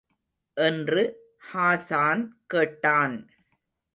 என்று ஹாஸான் கேட்டான்.